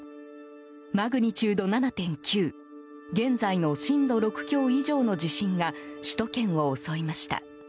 マグニチュード７．９現在の震度６強以上の地震が首都圏を襲いました。